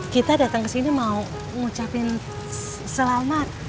kita datang kesini mau ngucapin selamat